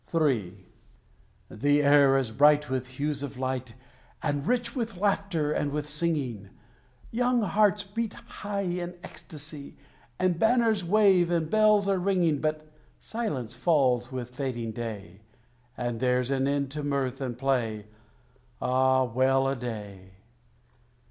III. The air is bright with hues of light And rich with laughter and with singing: Young hearts beat high in ecstasy, And banners wave, and bells are ringing: But silence falls with fading day, And there's an end to mirth and play. Ah, well a day!